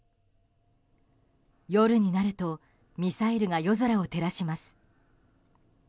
夜になるとミサイルが夜空を照らします。